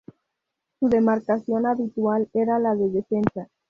Su demarcación habitual era la de defensa.